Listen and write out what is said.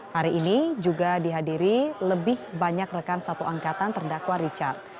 hari ini juga dihadiri lebih banyak rekan satu angkatan terdakwa richard